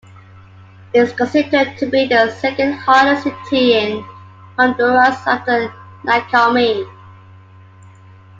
It is considered to be the second-hottest city in Honduras after Nacaome.